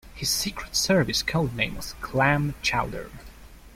His Secret Service codename was Clam Chowder.